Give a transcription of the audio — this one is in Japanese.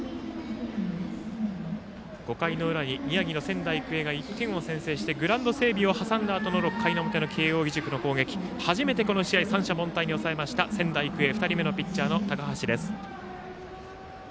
５回の裏に宮城の仙台育英が１点を先制してグラウンド整備を挟んでの６回の表の慶応義塾の攻撃を初めて三者凡退に抑えた仙台育英２人目のピッチャーの高橋です。